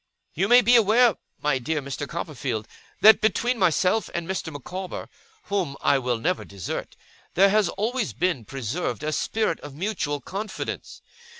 'You may be aware, my dear Mr. Copperfield, that between myself and Mr. Micawber (whom I will never desert), there has always been preserved a spirit of mutual confidence.